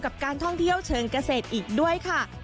กับการท่องเที่ยวเชิงเกษตรอีกด้วยค่ะ